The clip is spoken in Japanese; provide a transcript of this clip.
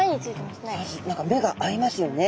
何か目が合いますよね。